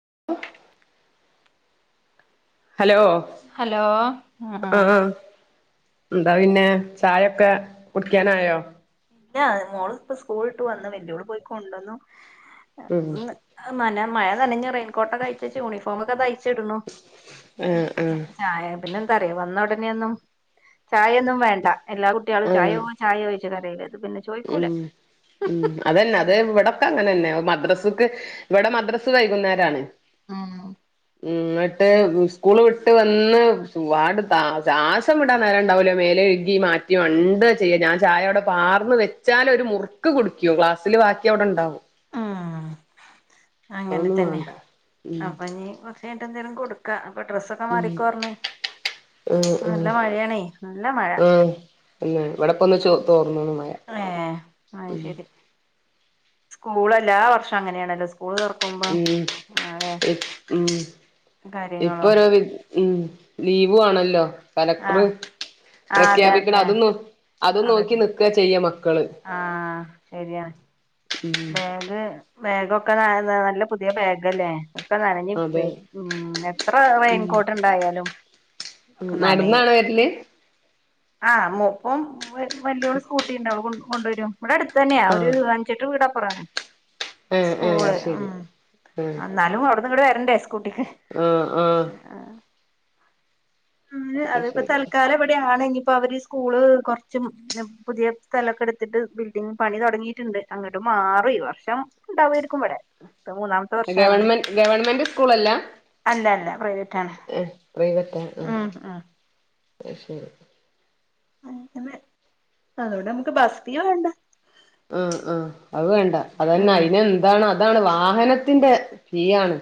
[unintelligible] Hello hello ആഹ ആഹ് ആഹ് എന്താ പിന്നെ ചായൊക്കെ കുടിക്കാനായോ ഇല്ല മോള ഇപ്പ സ്കൂളിട്ട് വന്ന് വല്യോള് പോയി കൊണ്ടുവന്നു ഉം ഇന്ന് മഴ നനഞ്ഞു റെയിൻകോട്ടൊക്കെ അയിച്ചു വെച്ച് യൂണിഫോം ഒക്കെ അയിച്ചിടുന്നു ആഹ് ആഹ് പിന്നെ എന്താറിയ വന്ന ഉടനെൊന്നും ചായയൊന്നും വേണ്ട എല്ലാ കുട്ടികളും ആഹ് ചായോ ചായയോ ല്ല ഉം ഉം അതന്നെ അതിവിടൊക്കെ അങ്ങന തന്നെ മദ്രസക്ക് ഇവിടെ മദ്രസ്സ് വൈകുന്നേരാണ് ആഹ ഇങ്ങിട്ട് സ്കൂള് വിട്ട് വന്ന് ആണ്ട് ശ്വാസംവിടാൻ നേര ഉണ്ടാവൂല മേലയ്ക്കാൻ ഴ മാറ്റിണ്ട് മണ്ട ചെയ്യ. ഞാൻ ചായ അവിടെ പാർന്ന് വെ വെച്ചാൽ ഒരു മുറുക്ക് കുടിക്കും ക്ലാസിൽ ബാക്കി അവിടെ ണ്ടാവും ഉ അങ്ങനെ അതൊന്നും തന്നെ വേണ്ട ഉം അപ്പ നീ കൊർച്കഴിഞ്ഞിട്ട് എന്തേലും കൊടുക്കാ ഇപ്പൊ ഡ്രസ്സൊക്കെ ഉം മാറിക്കോ പറഞ്ഞ ആഹ് നല്ല ആഹ് മഴയാണേ നല്ല മഴ ആഹ് പിന്നെ ഇവിടെപ്പൊന്ന് ചോ തോർന്ന്ണ് മഴ ഏ ആ ശരി സ്കൂളല്ല വർഷം അങ്ങനെയാണല്ലോ സ്കൂള് തുറക്കുമ്പോ ഉം മഴേ ഉം കാര്യങ്ങളും ഇപ്പോരോ ഉം ലീവും ആണല്ലോ കലക്ടർ ആഹ് ആഹ് അതെ പ്രഖ്യാപിക്കണം അതെ അതും അതും നോക്കി നിക്ക ചെയ്യ മക്ക ആഹ ശരിയാ ഉം ബാഗ് ബാഗൊക്കെ നല്ല പുതിയ ബാഗല്ലേ ഒക്കെ നനഞ്ഞ അതെ ഉ എത്ര റൈൻകോട്ട് ഇണ്ടായാലും ഉ നടന്നാണോ വരില് ആഹ് മുപ്പം വലിയഓൾ സ്കൂട്ടിണ്ട് ഓൾ കൊണ്ടുവരും ഇവിടെ അടുത്ത് തന്നെയാ ഒരു ആഹ് അഞ്ചട്ട് വീടാപ്പുറ ണ് ആഹ് ആഹ് സ്കൂള് ശരി ഉം ആഹ് എന്നാലും അവിടെ കൂടെ വരണ്ടേ സ്കൂട്ടിക്ക് ആഹ് ആഹ് ആ ഉ അത് അതിപ്പോ ശരി തൽക്കാലം എവിടെയാണ്ങ്ക ഇപ്പൊ അവര് സ്കൂള് കുറച്ചും പുതിയ സ്ഥലമൊക്കെ എടുത്തിട്ട് ബിൽഡിംഗ പണി തുടങ്ങിയിട്ടുണ്ട് അങ്ങ മാറും ഈ വർഷം ഉണ്ടാവയിരിക്കും ഇവിടെ ഇപ്പൊ മൂന്നാമത്തെ വർഷണെ ഗവൺമെന്റ് ഗവൺമെന്റ് സ്കൂളല്ല അല്ല അല്ല പ്രൈവറ്റ് ആണ് പ്രൈവറ്റ് ആ ഉം ഉം അത്ശരി അങ്ങനെ അതോടെ നമുക്ക് ബസ് ഫീ വേണ്ട ആ ആഹ അത് വേണ്ട അതന്നെ ഉം അയിന് എന്താണ് അതാണ് വാഹനത്തിന്റെ ഫീ ആണ്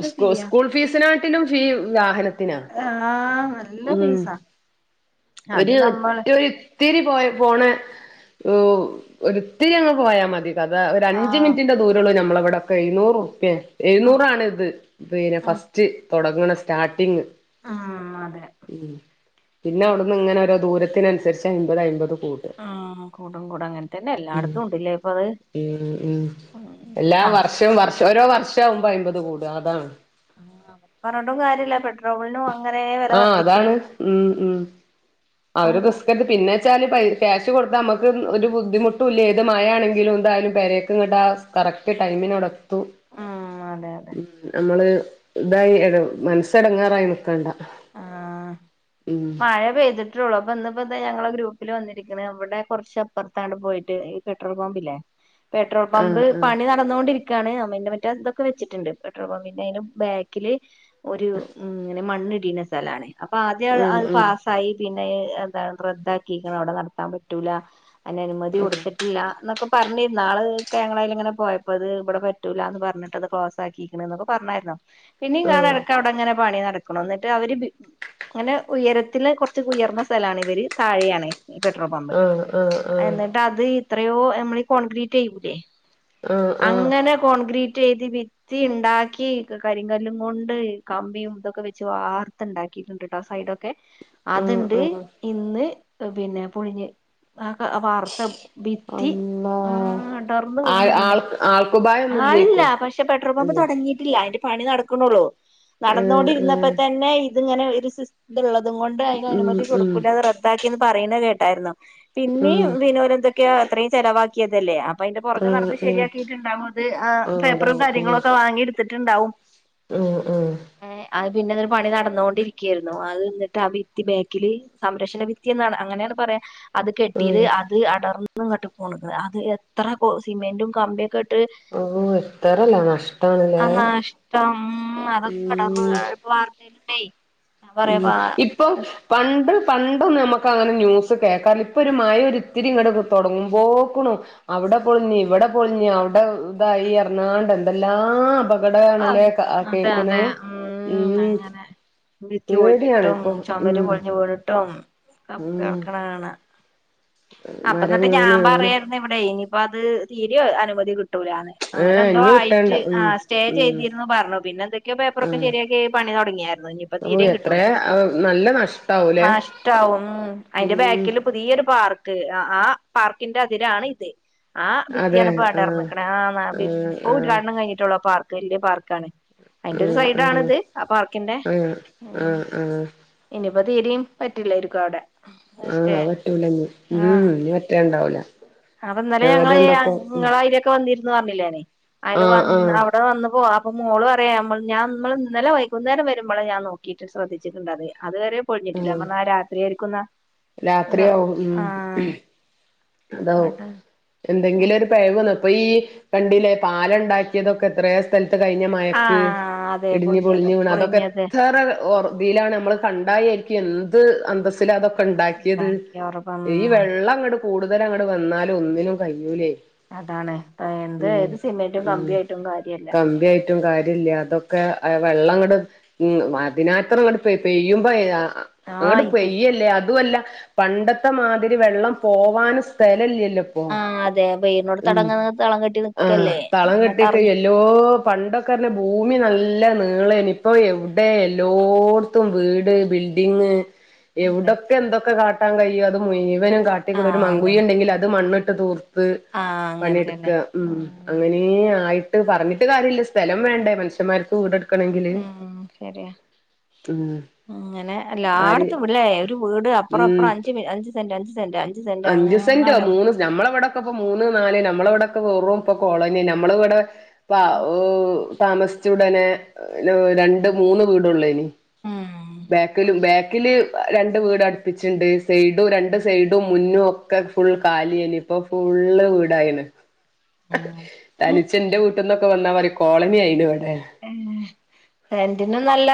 നല്ല ഫീയാ സ്കൂൾ ഫീസിന ത്തിനും ഫീ വാഹനത്തി ആഹ നല്ല ഫീസാ അത് ഒരു നമ്മള് ഒറ്റ ഒരു ത്തിരി പോയ പോണ ഒരിത്തിരി അങ്ങ് പോയാൽ മതി ഒരു അഞ്ച ആഹ് മിനിന്റെ ദൂരേ ഉള്ള ഞമ്മളവിടെക്കെ എഴുന്നൂറു ഉർപ്പിയെ ആഹ് എഴുന്നൂറാണ ഇത് പിന്നെ ഫസ്റ്റ് തുടങ്ങണ സ്റ്റാർട്ടിങ്ങ് ആ അതെ പിന്നെ അവിടുന്ന് ഇങ്ങനെ രോ ദൂരത്തിനുരിച്ച് അമ്പത് അമ്പതും ആഹ കൂടം കൂടം അങ്ങനെത്ത തന്നെ എല്ലായിടത്തും ഉണ്ടല്ലേ ഇപ്പൊ അത് ഉ ഉം ഉം എല്ലാം ആഹ് വർഷവും വർഷം ഓരോ വർഷം ആവുമ്പോ അമ്പത് കൂടും അതാണ് പറഞ്ഞട്ടും കാര്യല്ല പെട്രോളിനും അങ്ങനെ വില ആഹ് വർധിക്ക അതാണ് ഉം ഉം ഇപ്പം [unintelligible] വെച്ചാല് പ ക്യാഷ് കൊടുത്ത നമുക്ക് ഒരു ബുദ്ധിമുട്ടും ഇല്ല ഏത് മഴയാണെങ്കിലും എന്തായാലും പെരേക്ക് ഇങ്ങട്ട കറക്റ്റ് ടൈമിനോടക്ക ഉം അതെ അതെ നമ്മള് ഇതായി മനസ്സടങ്ങാറായി നക്കണ്ട ആഹ മഴ പെയ്തിട്ട് അപ്പ ഇപ്പോ ഞങ്ങള ഗ്രൂപ്പില് വന്നിരിക്കുന്ന ഇവിടെ കൊറച്ചപ്പുറത്തടെ പോയിട്ട് ഈ പെട്രോൾ പമ്പില്ലേ പെട്രോൾ പമ്പ് ആഹ് ആഹ് പണി നടന്നുകൊണ്ടിരിക്കും കാണ്അമ്മന്റെ മറ്റ ഇതൊക്കെ വെച്ചിട്ടുണ്ട് പെട്രോൾ പമ്പിന്റെ നും ബാക്കില് ഒരു ഉ ഇങ്ങനെ മണ്ണിടുന്ന സ്ഥലണ് അപ്പൊ ആദ്യം അത് പാസ്സായി പിന്നെ എന്താണ് റദ്ദാക്കിക്കുണ് അവിടെ നടത്താൻ പറ്റൂല അതിനെ അനുമതി ഉം ഉം കൊടുത്തിട്ടില്ല എന്നൊക്കെപ പറഞ്ഞിരുന്നുന്നാള്ഒക്കെ ഞങ്ങൾആയിലാണ്ടൊക്കെ പോയപ്പോ അത് ഇവിടെ പറ്റൂല എന്ന് പറഞ്ഞിട്ട അത് ക്ലോസ് ആക്കിയിരിക്കണന്നൊക്കെ പറഞ്ഞായിരുന്നോ പിന്നെയും ഉം കാണാൻടക്കാ അവിടെങ്ങനെ പണി നടക്കണന്ന് അവര് അങ്ങനെ ഉയരത്തില് കുറച്ച ഉയർന്ന സ്ഥലാണ് ഇവര് താഴെയാണ് പെട്രോൾ പമ്പ് ആഹ് ആഹ് ആഹ് എന്നിട്ട് അത് എത്രയോ നമ്മളീ കോൺക്രീറ്റ് ചെയ്യൂലേ ആഹ് ആഹ് അങ്ങനെ ആഹ് കോൺക്രീ റ്റ് ചെയ്ത് ഭിത്തി ഉണ്ടാക്കി കരിങ്കല്ലും കൊണ്ട് കമ്പിയും ഇതൊക്കെ വെച്ച് വാർത്ത് ഉണ്ടാക്കീട്ടുണ്ട് കേട്ടോ സൈഡൊക്കെ അതുണ്ട് ആഹ് ആഹ് ഇന്ന് പിന്നെ പുഴിഞ്ഞ് ആ വാർത്ത ഭിത്തി അള്ളാ ആ ടർന്നു ആ വീണു പിന്നെ ആൾ ആളില്ല ആൾക്കുപായൊന്നുല്ലേക്കും പക്ഷെ പെട്രോൾ പമ്പ് അല്ലെ തൊടങ്ങീട്ടില്ല പണി നടക്കുണുള്ളൂ ഉം -ഉം ഇതിങ്ങനെ ഒരു സിസ് ഇതൊള്ളതു കൊണ്ട് അതിന് ഉം അനുമതി ഉം കൊടുക്കൂല അത് റദ്ദാക്കിന്ന് പറയണ കേട്ടായിരുന്നു ഉം പിന്നെയും വിനോരെന്തൊക്കെയൊ അത്രയും ചെലവാക്കിയതല്ലേ അപ്പൊ അതിന്റെ പുറകെ ആഹ് നടന്ന് ആഹ് ശരിയാക്കീട്ടുണ്ടാവും അത് ആ ആഹ് പേപ്പറും കാര്യങ്ങളും ഒക്കെ വാങ്ങി എടുത്തിട്ടുണ്ടാവും ഉം- ഉം പിന്നങ്ങനെ പണി നടന്നോണ്ടിരിക്ക ആയിരുന്നു അത് എന്നിട്ട് ആ ഭിത്തി ബാക്കില് സംരക്ഷണ ഭിത്തി എന്നാണ് അങ്ങനെയാണ് പറയാ അത് കെട്ടീത് ആഹ് അത് അടർന്ന് ഇങ്ങട്ട് പോണത് അത് എത്ര സിമെന്റും കമ്പിയൊക്കെ ട്ട് ഓഹ് എത്രല്ല ആ നഷ്ടാണല്ലേ നഷ്ടം അത് ഉം [unintelligible] നിൽടേയ് ഉം ഇപ്പൊ പണ്ട് പണ്ടൊ നമുക്ക് അങ്ങനെ ന്യൂസ് കേൾക്കാന്ന് ഇപ്പൊ ഒരു മഴ ഒരിത്തിരിങ്ങട് തൊടങ്ങുമ്പോക്കണു അവ് വിടെ പൊളിഞ്ഞ് ഇവിടെ പൊളിഞ്ഞ് അവിടെ ഇതായി എറണാണ്ട് എന്തെല്ലാം അ അപകടമാണല്ലേ അതെ കേക്ക്ണേ അതെ ഉം അങ്ങനെ ക്കി പേടിയാണ് ഒഴിഞ്ഞിട്ടും ഇപ്പൊ ചൊമര് ഉം പൊഴിഞ്ഞ് വീണിട്ടും ഉം കേൾക്കണകാണാ അപ്പ മരം എന്നിട്ട് വീണ് ഞാൻ അങ്ങനെ പറയായിരുന്നു ഇവിടെ ഇനിയിപ്പോ അത് തീരെ അനുമതി കി ട്ടൂലാന്ന് അങ്ങനെ ഏഹ് എന്തോ ഇഞ്ഞി വിട്ടണ്ട ആയിട്ട് ഉം ആ സ്റ്റേ ഉം ചെയ്തിരുന്നു പറഞ്ഞു പിന്നെ എന്തൊക്കെയോ പേപ്പറൊക്കെ ആഹ് ശരിയാക്കി പണി തൊടങ്ങിയാ ന്നു ഇനിപ്പ ഓഹ് തീരെയും എത്രേ കിട്ടൂല നല്ല ആ നഷ്ടാവൂലേ നഷടാവും അയിന്റെ ഉം ബാക്കില് പുതിയൊരു പാർ ക്ക്‌ അ ആ പാർക്കിന്റെ അതിരാണ് ഇത് ആ അതെ ഭിത്തിയാണിപ്പ ആഹ് അടർന്നിക്കണേ ആന്നതിൽ ആഹ് ഓ ആഹ് ഉദ്ഘാടനം കഴിഞ്ഞിട്ടുള്ളോ പാർക്ക് വലിയ പാർക്ക് ആണ് അയിന്റെ ഒരു ആഹ് ആഹ് സൈഡാണിത് ആ പാർക്കിന്റെ ആഹ് ആഹ് ഉം ആഹ് ഇനി അപ്പൊ തീരയും പറ്റില്ലായിരിക്കും അവിടെ സ്റ്റേ ആ പറ്റൂലന്ന് ഉം ഇനി മറ്റേ ഉണ്ടാവൂല അത് ഇന്നലെ ഞങ്ങള് യങ് നിങ്ങളതിലൊക്കെ വന്നിരുന്ന് പറഞ്ഞില്ലേനെ അതില് ആഹ് വന്ന് ആഹ് അവ ഓ അപ്പൊ മോള് പറയാം നമ്മ ഞാ നമ്മള് ഇന്നലെ വൈകുന്നേര വരുമ്പഴേ ഞാൻ നോക്കിയിട്ട് ശ്രദ്ധിച്ചിട്ടുണ്ട് അത് അത് വരെ ആഹ് പൊഴിഞ്ഞിട്ടില്ലമ്മാ അന്നാ രാത്രിയായിരിക്കുന്നാ രാത്രിയാവും ഉം അതോ ആഹ് എന്തെങ്കിലും ഒരു പെഴവ് ഇപ്പൊ ഈ കണ്ടില്ലേ പാലം ഉണ്ടാക്കിയതൊക്കെ എത്രയൊ സ്ഥലത്ത് കഴിഞ്ഞ മയക്ക് ആഹ് അതെ ഇടിഞ്ഞ് പൊളിഞ്ഞത് പൊളിഞ്ഞ് വീണ് അതൊക്കെ പൊളിഞ്ഞത് എത്ര ഓർ വെയിലാണ് നമ്മള് കണ്ടായി ക്കെന്ത് അന്തസ്സില അതൊക്കെ ഉണ്ടാക്കിയത് ഉണ്ടാക്കിയ ഉറപ്പം ഈ വെള്ളം അങ്ങട് കൂടുതൽ അങ്ങട് വന്നാലും ഒന്നിനും കഴിയൂലേ അതാണ് എന്ത് ഉം ഏത് സിമെന്റും ഉം കമ്പിയായിട്ടും കാര്യല്ല കമ്പിയായിട്ടും കാര്യ ഇല്ല അതൊക്കെ വെള്ളം ഇങ്ങട് ഉം അതിനാത്രം ഇങ്ങട് പെ പെയ്യുമ്പോ ആഹ് അങ്ങോട്ട് ഇത് പെയ്യല്ലേ അതുവല്ല പണ്ടത്തെ മാതിരി വെള്ളം പോവാനും സ്ഥല ഇല്ല്യ ലുപ്പോ ആഹ് അതെ വെയിലിനോട് ഉം തടങ്ങ തളം കെട്ടി ആ നിക്കല്ലേ തളം ഇങ്ങോട്ട് കെട്ടിക്കയി ഇറങ്ങി എല്ലോ പണ്ടൊക്കറഞ്ഞാ ഭൂമി നല്ല നീളനി ഇപ്പ എവിടെ എല്ലോടുത്തും വീട് ബിൾ ഡിങ് അതെ എവിടൊക്കെ എന്തൊക്കെ കാട്ടാൻ കഴിയോ അത് മുയിവനും കാട്ടിക്കൂടെ ഒരു ആഹ് അതെ മങ്കുയി ഉണ്ടെങ്കിൽ അത് മണ്ണി ട്ട് തോർത്ത് ആഹ് പണിയെടുക്ക അങ്ങനത്തന്നെ ഉം അങ്ങനെ ആയി ട്ട് പറഞ്ഞിട്ട് കാര്യ ഇല്ല സ്‌തെലം വേണ്ടെ മനുഷ്യന്മാർക്ക് വീടെടു എങ്കില് ഉം ശരിയാ ഉം അങ്ങനെ ആര് എല്ലാടത്തും ഇവിടേ ഒരു വീട് അപ്പറം അപ്പറം ഉം അഞ്ച് അഞ്ച് സെന്റ് അഞ്ച് സെന്റ് സെന്റ് അഞ്ച് സെന്റോ അങ്ങനെ മൂന്ന് നമ്മള ഇവിടക്ക ഇപ്പ മൂന്ന് നാല്- നമ്മള ഇവിടൊക്കെ വെറും ഇപ്പൊ കോളനി നമ്മള ഇവിട പ ഉ താമസിച്ചുടനെ രണ്ട് മൂന്ന് വീടുള്ളനി ഉം ബാക്കിലും ബാക്കില് രണ്ട് വീടടുപ്പിച്ചിണ്ട് സൈഡും രണ്ട് സൈ ഡും മുന്നും ഒക്കെ ഫുൾ കാലിയായിന് ഇപ്പൊ ഫുള്ള് വീടായിന് ഉം തനിച്ച് എന്റെ വീട്ടിൽന്നൊക്കെ വന്നാ പറയും കോളനി ആയിലോ രണ്ടിനും നല്ല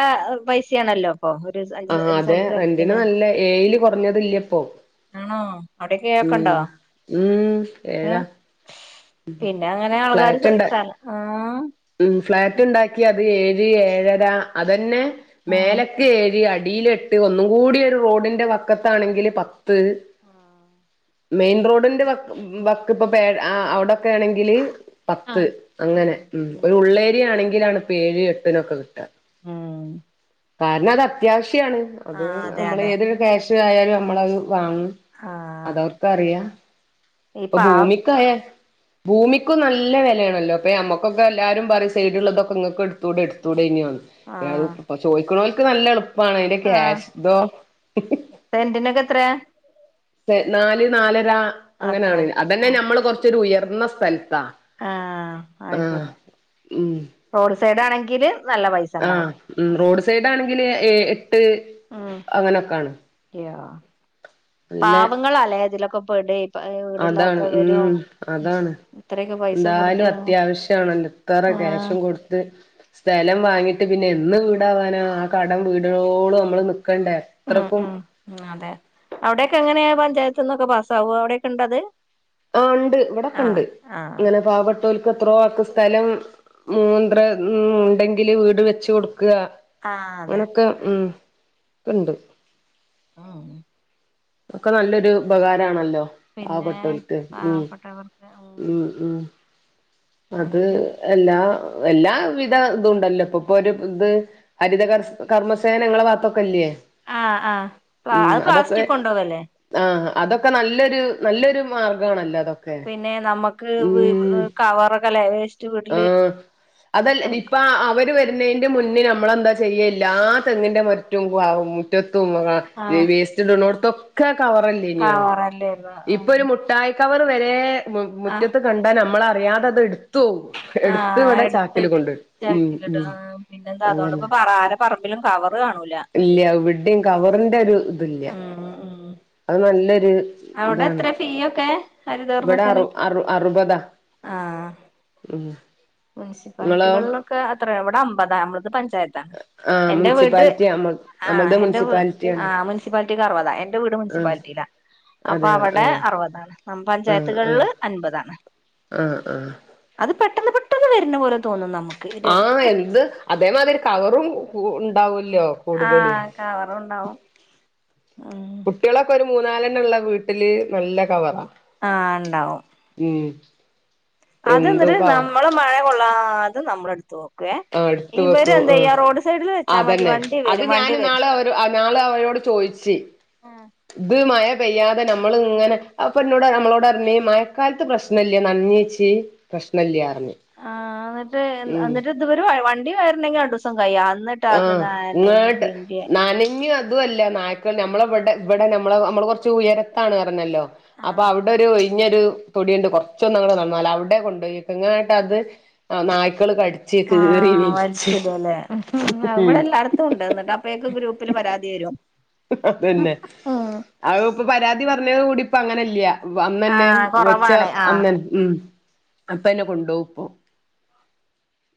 പൈസയാണല്ലോ ഇപ്പൊ ഒരു അഞ്ച് ആ ഒരു അതെ സെന്റ് റെന്റിന് സ്ഥലത്തിന് നല്ല ഏയില് കൊറഞ്ഞത് ഇല്ലിപ്പോ ആണോ അവിടെയൊക്കെയൊക്കെ ഉണ്ടോ ഉം ഉം ഏതാ ഉം പിന്നെ അങ്ങനെ ആൾക്കാര് ഫ്ലാറ്റ് ഇണ്ട് സ്ഥലം ആഹ് ഉം ഫ്ലാറ്റ് ഇണ്ടാക്കിയാ ഒരു ഏഴ് ഏഴര അതന്നെ ആഹ് മേലെക്ക് ഏഴ് അടിലെട്ട് ഒന്നുങ്കുടി ഒരു റോ ടിന്റെ വക്കത്താണെങ്കില് പ ത്ത് മെയിൻ റോഡിന്റെ വക്ക് വക്കിപ്പ പേ ആ അവടെ ക്കെ ആണെങ്കില് പത്ത് ആഹ് അങ്ങനെ ഉം ഒരു ഉം ഉള്ളേരിയാണെ ങ്കിലാണ് ഇപ്പോ ഏഴ് എട്ടിനൊക്കെകിട്ട ഉം കാരണം അത് അത്യാവശ്യമാണ് അത് ആഹ് അതെ നമ്മള് അതെ ഏതൊരു ക്യാഷ ആയാലും നമ്മളത് വാങ്ങും ആഹ് അതവർക്ക് അറിയാ ഇപ്പൊ ഇപ്പ ആഹ് ഭൂമിക്കായ ഭൂമിക്കും നല്ല വിലയാണല്ലോ അപ്പ അമ്മ ക്കെ എല്ലാരും പറയും സൈഡ ഉള്ളതൊക്കെങ്ങ എടുത്തൂടെ എടുത്തൂ ഇ ആഹ് ചൊയ്കനോക്ക് നല്ല എളുപ്പ അതിന്റെ ആഹ് ക്യാഷ് ഇതോ സെന്റിനൊക്കെ എത്രയാ നാല് നാലര അത്രേ അങ്ങനെയാണ് അതന്നെ നമ്മള് കൊറച്ചൊരു ഉയർന്ന സ്ഥലം ആ അ ശരി റോഡ് സൈഡ ആണെങ്കില് നല്ല പൈസ ആ ഉണ്ടാവും ഉ റോഡ് സൈഡ് ആണെങ്കിൽ ഏ ട്ട് ഉം അങ്ങനൊക്കാണ് യോ നല്ല പാവങ്ങളാല്ലേ ഇതിലൊക്കെ പെടെ അതാണ് വീടില്ലാത്തവരും ഉം അതാണ് ഇത്രയൊക്കെ പൈസ എന്താലും കൊടുത്ത് അത്യാവശ്യമാണ് എത്രറ ആഹ് ക്യാശും കൊടുത്ത് സ്ഥലം വാങ്ങിട്ട് പിന്നെ എന്ന് വീടാവാനോ ആ കടം വീടോട് നമ്മൾ- ഉം ഉം അതെ അവിടെൊക്കെ എങ്ങനെയാ പഞ്ചായത്ത്ന്നൊക്കെ പാസ്സ ആാവു അവിടെൊക്കെ ഉണ്ടത് ആ ഉണ്ട് ഇവിടെൊക്കെ ഉണ്ട് ആഹ് ആഹ് ഇങ്ങനെ പാവട്ട ൽക്ക് എത്രോ ആക്ക സ്ഥലം മൂന്ത്ര ഉണ്ടെങ്കിൽ വീട് വെച്ച് കൊടുക്ക ക്കുക ആഹ് അതെ അങ്ങനൊക്കെ ഉ ഇണ്ട് ആ ഒക്കെ നല്ലൊരു ഉപകാരമാണല്ലോ പിന്നെ പാവപ്പെെട്ടവർക്ക് ഉ ഉം ഉം അത് എല്ലാ എല്ലാ വിധ ഇതുണ്ടല്ലോ ഇപ്പൊ ഇപ്പൊ ഒരു ഇത് ഹരിതകർ കർമ്മസേനങ്ങള ഭാഗത്തൊക്കെല്ലയേ ആ ആ പ അത് പ്ലാസ്റ്റിക് കൊടണ്ടാവും അല്ലേ ആ അതൊക്കെ നല്ലൊരു നല്ലൊരു മാർഗ്ഗണല്ല പിന്നെ നമ്മുക്ക് ക്ക് കവറൊക്കെ വേസ്റ്റ് വീട്ടില് ആഹ് അതല്ല ഇപ്പ കടക്കും അവര് വരുന്നതിന്റെ മുന്നേ നമ്മൾെന്താ ചെയ്യ എല്ലാ തെങ്ങിന്റെ മറ്റുംമുറ്റത്തും ആഹ് വേസ്റ്റ്ടുത്തൊക്കെ കവറല്ലേ ഇനോ കവറല്ലേര്ന്ന് ഇപ്പൊ ഒരു ആഹ് മുട്ടയി വർ വരെ ആഹ് മുറ്റത്ത് കണ്ടാ നമ്മളറിയാതെത് എടു ആ എടു ഉം ഉം പിന്നെ എന്താ അതന്നെ അതുകൊണ്ട്പ്പ പറ ആര പറമ്പിലും കവർ ഇല്ല ഇവിടെയും കവറിന്റെ ഒരു ഇത്ല്ല ഉം ഉം അത് നല്ല അവിടെ എത്ര ഫീ ഒക്കെ ഇവിടെ അറു ഹരിതോർമ്മസേനക്ക് ആ ആ മുനിസിപ്പാലിറ്റികളിലൊക്കെ അത്ര ഇവിടെ അമ്പത നമ്മത് പഞ്ചായത്താണ് ആഹ് എന്റെ വീട്ട മുനിസിപ്പാലിറ്റി നമ്മ ആ നമ്മൾത് എന്റെ ആ മുനിസിപ്പാലിറ്റിയാണ് മുൻസിപ്പാലിറ്റിർവതാ എന്റെ വീട് ആഹ് മുനിസിപ്പാലിറ്റിയിലാ അപ്പൊ അതെയോ അവിടെ ആഹ് അറുപതാണ് നമ്മ പഞ്ചായത്തുകളില് അൻപതാണ് ആ ആ അത് പെട്ടെന്ന് പെട്ടെന്ന് വരുന്ന പോലെ തോന്നും നമുക്ക് ഇര് ആ എന്ത് അതേമാതിരി ഒരു കവറും ഉണ്ടാവൂല ലോ കൂടുതൽ ആഹ് കവറുണ്ടാവും ഉം കുട്ട്യാളാക്കെരു മൂന്നാലെണ്ണ ഉള്ള വീട്ടില് നല്ല കവറാ ആ ഉണ്ടാവും ഉം എന്തും അതന്നിട്ട് ക നമ്മള് മഴ കൊള്ളാതെ നമ്മുടെ അടുത്ത് ആടുത്ത വെക്കും റോഡ് സൈഡിൽ ആ വെച്ചാൽ മതി അതന്നെ വണ്ടി അത് വരും വണ്ടി ഞാന് വരും നാളെ അവ നാളെ അവരോട് ചോദിച്ച ആ ഇതുമഴ പയ്യാതെ നമ്മള് ഇങ്ങനെ അപ്പന്നോട് നമ്മളോട്റഞ്ഞി മഴക്കാലത്ത് പ്രശ്നല്ലേ നഞ്ഞിച്ചി പ്രഷ്നല്ലാർ ഞി ആഹ് എന്നിട്ട് എന്നിട്ട് ഇതുവരെ വണ്ടി വയര രണ്ടീസാകും ആ ഇങ്ങട്ട് പിണ്ടി നനഞ്ഞു അ അദുവല്ല നായ്ക്കൾ നമ്മളെ ഇവിടെ ഇവിടെ നമ്മള നമ്മള് കുറച്ച് ഉയരത്താണർഞ്ഞല്ലോ അപ്പൊ ആഹ് അവിടെരു ഒഴി ഒഴിഞ്ഞരു തൊടിണ്ട് കൊറച്ചൊന്ന് നടന്നാല് അവിടെ കൊണ്ടോയക്ക ന്നട്ട് അത് ആ നായ്ക്കള് കടിച്ച് കിറി വൽച്ച് ആ ഇവിടെ എല്ലാടത്തുണ്ട് അപ്പൊഴെക്ക് ഗ്രൂപ്പില് പരാതി വരും അതന്നെ ഉം അ ഇപ്പൊ പരാതി പറഞ്ഞത് കൂടി ഇപ്പ അങ്ങനെല്ല വന്നന്നെ ആഹ് വിൾച്ച കൊറവാണ് ആഹ് അന്നന്നെ ഉം അപ്പന്നെ കൊണ്ടോവും പോ